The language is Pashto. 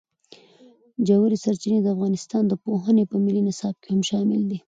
ژورې سرچینې د افغانستان د پوهنې په ملي نصاب کې هم شامل دي.